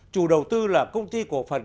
chủ đầu tư là công ty của phần